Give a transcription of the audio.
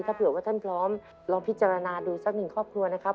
ถ้าเผื่อว่าท่านพร้อมลองพิจารณาดูสักหนึ่งครอบครัวนะครับ